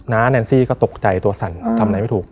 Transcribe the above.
แนนซี่ก็ตกใจตัวสั่นทำอะไรไม่ถูก